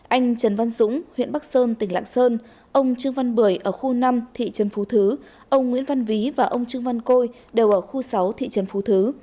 anh trần văn dũng huyện bắc sơn tỉnh lạng sơn ông trương văn bưởi ở khu năm thị trấn phú thứ ông nguyễn văn ví và ông trương văn côi đều ở khu sáu thị trấn phú thứ